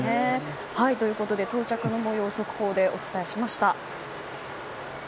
到着の模様を速報でお伝えしました。